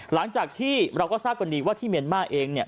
หลังจากที่เราก็ทราบก่อนดีที่เมรม่าเองเนี่ย